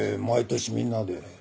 毎年みんなで。